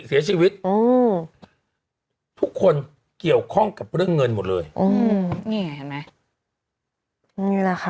เสียชีวิตโอ้ทุกคนเกี่ยวข้องกับเรื่องเงินหมดเลยอืมนี่ไงเห็นไหมนี่แหละค่ะ